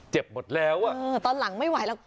เจ็บหมดแล้วอ่ะตอนหลังไม่ไหวแล้ว